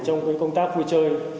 trong công tác vui chơi